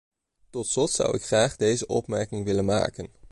Tot slot zou ik graag deze opmerking willen maken.